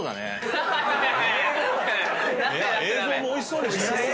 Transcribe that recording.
映像もおいしそうでしたよ？